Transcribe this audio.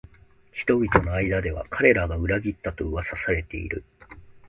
人々の間では彼らが裏切ったと噂されている